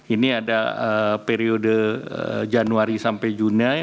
ini ada periode januari sampai juni